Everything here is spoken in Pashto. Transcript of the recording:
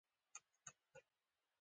ایا زه باید ترش خواړه وخورم؟